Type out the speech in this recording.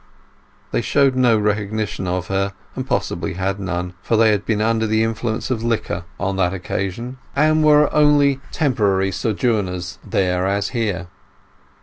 They showed no recognition of her, and possibly had none, for they had been under the influence of liquor on that occasion, and were only temporary sojourners there as here.